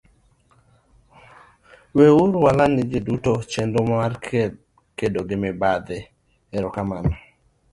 Weuru waland ne ji duto dwarowa mar tieko mibadhi, erokamano.